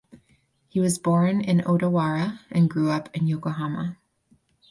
He was born in Odawara and grew up in Yokohama.